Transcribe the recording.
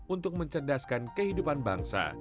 untuk mencerdaskan kehidupan bangsa